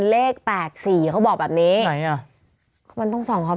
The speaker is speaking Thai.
เลข๘๔เขาบอกแบบนี้